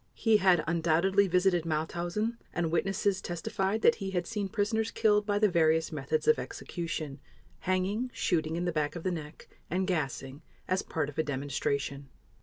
He had undoubtedly visited Mauthausen and witnesses testified that he had seen prisoners killed by the various methods of execution, hanging, shooting in the back of the neck, and gassing, as part of a demonstration.